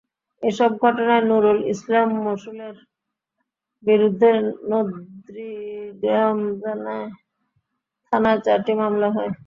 এসব ঘটনায় নুরুল ইসলাম মণ্ডলের বিরুদ্ধে নন্দীগ্রাম থানায় চারটি মামলা হয়।